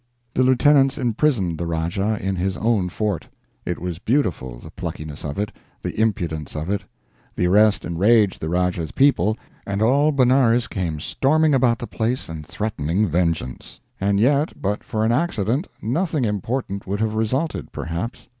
The lieutenants imprisoned the Rajah in his own fort. It was beautiful, the pluckiness of it, the impudence of it. The arrest enraged the Rajah's people, and all Benares came storming about the place and threatening vengeance. And yet, but for an accident, nothing important would have resulted, perhaps.